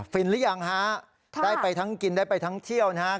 หรือยังฮะได้ไปทั้งกินได้ไปทั้งเที่ยวนะครับ